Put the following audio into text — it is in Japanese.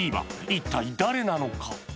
一体誰なのか？